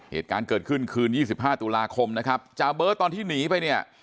เหตุการณ์เกิดขึ้นคืน๒๕ตุลาคมนะครับจาเบิร์ตตอนที่หนีไปเนี่ย